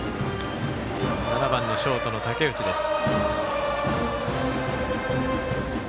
７番のショートの竹内です。